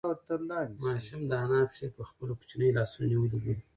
ماشوم د انا پښې په خپلو کوچنیو لاسونو نیولې دي.